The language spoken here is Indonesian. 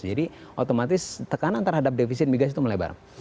jadi otomatis tekanan terhadap defisit migas itu melebar